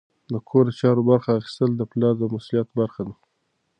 د کور د چارو برخه اخیستل د پلار د مسؤلیت برخه ده.